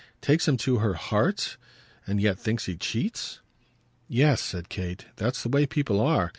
"Takes him to her heart and yet thinks he cheats?" "Yes," said Kate "that's the way people are.